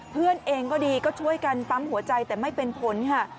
เพื่อนเองก็ดีก็ช่วยกันปั๊มหัวใจแต่ไม่เป็นผลค่ะ